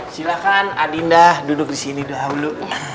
silahkan adinda duduk disini dulu